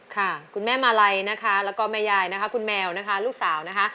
คุณแม่มาลัยนะคะแล้วก็แม่ยายนะคะคุณแมวนะคะลูกสาวนะคะ